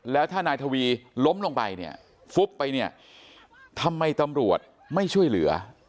แล้วถ้านายทวีล้มลงไปเนี่ยทำไมตำรวจไม่ช่วยเหลือ